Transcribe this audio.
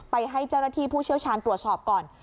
ให้เจ้าหน้าที่ผู้เชี่ยวชาญตรวจสอบก่อน